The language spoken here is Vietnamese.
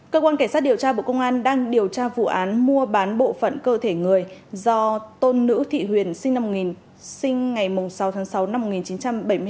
cơ quan cảnh sát điều tra bộ công an đang điều tra vụ án mua bán bộ phận cơ thể người do tôn nữ thị huyền sinh năm sáu tháng sáu năm một nghìn chín trăm bảy mươi hai